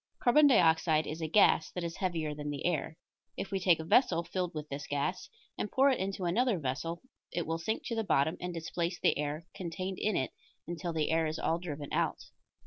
Carbon dioxide is a gas that is heavier than the air. If we take a vessel filled with this gas and pour it into another vessel it will sink to the bottom and displace the air contained in it until the air is all driven out.